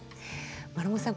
丸茂さん